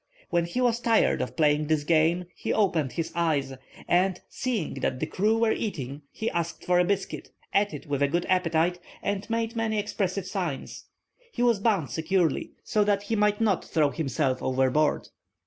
When he was tired of playing this game he opened his eyes, and, seeing that the crew were eating, he asked for a biscuit, ate it with a good appetite, and made many expressive signs. He was bound securely, so that he might not throw himself overboard."